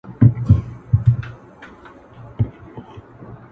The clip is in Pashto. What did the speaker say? او نه ختمېدونکی اثر لري ډېر.